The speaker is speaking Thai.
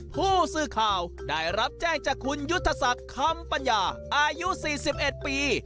ผู้สื่อข่าวได้รับแจ้งจากคุณยุทธศักดิ์คำปัญญาอายุ๔๑ปี